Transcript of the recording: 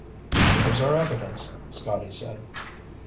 "There's our evidence," Scotty said.